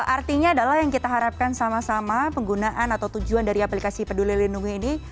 artinya adalah yang kita harapkan sama sama penggunaan atau tujuan dari aplikasi peduli lindungi ini